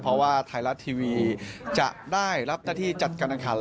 เพราะว่าไทยรัฐทีวีจะได้รับหน้าที่จัดการแข่งขัน